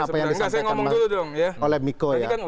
apa yang disampaikan oleh miko ya